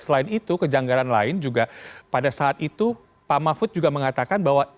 selain itu kejanggaran lain juga pada saat itu pak mahfud juga mengatakan bahwa